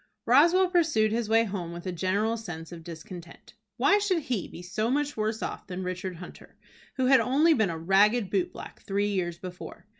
Roswell pursued his way home with a general sense of discontent. Why should he be so much worse off than Richard Hunter, who had only been a ragged boot black three years before?